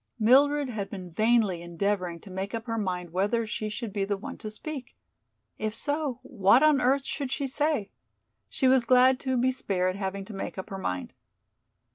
Mildred had been vainly endeavoring to make up her mind whether she should be the one to speak. If so, what on earth should she say? She was glad to be spared having to make up her mind.